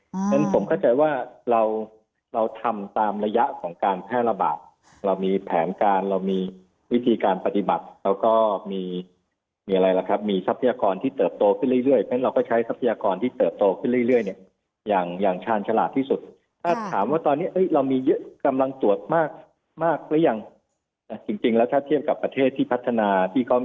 เพราะฉะนั้นผมเข้าใจว่าเราเราทำตามระยะของการแพร่ระบาดเรามีแผนการเรามีวิธีการปฏิบัติเราก็มีมีอะไรล่ะครับมีทรัพยากรที่เติบโตขึ้นเรื่อยเพราะฉะนั้นเราก็ใช้ทรัพยากรที่เติบโตขึ้นเรื่อยเนี่ยอย่างอย่างชาญฉลาดที่สุดถ้าถามว่าตอนนี้เรามีเยอะกำลังตรวจมากมากหรือยังจริงแล้วถ้าเทียบกับประเทศที่พัฒนาที่เขา